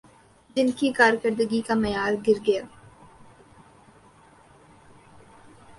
جن کی کارکردگی کا معیار گرگیا